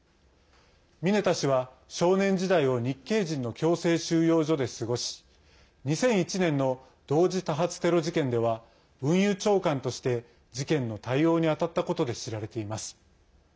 ミネタ氏は少年時代を日系人の強制収容所で過ごし２００１年の同時多発テロ事件では運輸長官として事件の対応に当たったことで知られています。